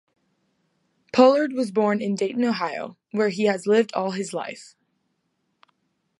Pollard was born in Dayton, Ohio, where he has lived all his life.